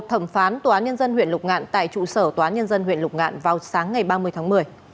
tán tòa án nhân dân huyện lục ngạn tại trụ sở tòa án nhân dân huyện lục ngạn vào sáng ngày ba mươi tháng một mươi